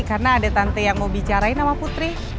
karena ada tante yang mau bicarain sama putri